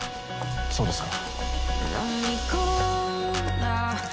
そうですか。